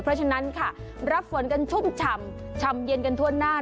เพราะฉะนั้นค่ะรับฝนกันชุ่มฉ่ำชำเย็นกันทั่วหน้า